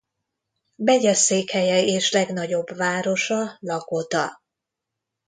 Megyeszékhelye és legnagyobb városa Lakota.